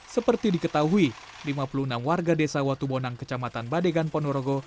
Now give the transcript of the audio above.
seperti diketahui lima puluh enam warga desa watubonang kecamatan badegan ponorogo